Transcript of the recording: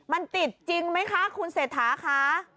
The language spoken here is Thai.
มันติดจริงไหมคะคุณเศรษฐาคะ